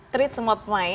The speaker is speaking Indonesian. treat semua pemain